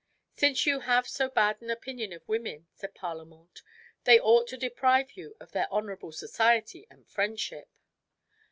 "Since you have so bad an opinion of women," said Parlamente, "they ought to deprive you of their honourable society and friendship."